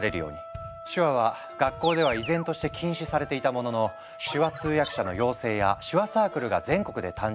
手話は学校では依然として禁止されていたものの手話通訳者の養成や手話サークルが全国で誕生。